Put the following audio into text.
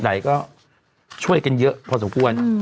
ไหนก็ช่วยกันเยอะพอสมควร